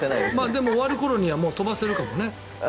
でも終わる頃には飛ばせるかもね。